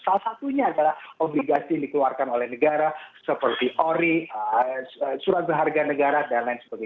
salah satunya adalah obligasi yang dikeluarkan oleh negara seperti ori surat berharga negara dan lain sebagainya